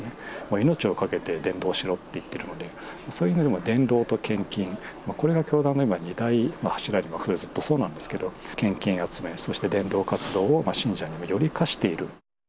命を懸けて伝道しろって言ってるので、そういう伝道と献金、これが教団の今２大柱、これまでもそうなんですけど、献金集め、そして伝道活動を信者により課している。